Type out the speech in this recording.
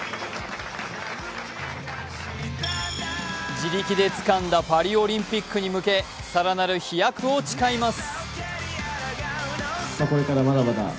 自力でつかんだパリオリンピックに向け更なる飛躍を誓います。